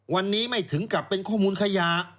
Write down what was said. วันนี้ไม่ถึงกับเป็นข้อมูลขยะ